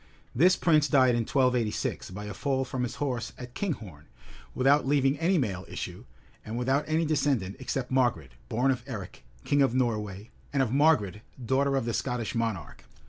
This prince died in 1286, by a fall from his horse at Kinghorn,[*] without leaving any male issue, and without any descendant, except Margaret, born of Eric, king of Norway, and of Margaret, daughter of the Scottish monarch.